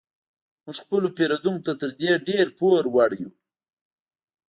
موږ خپلو پیرودونکو ته تر دې ډیر پور وړ یو